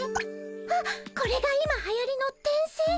あっこれが今はやりの転生？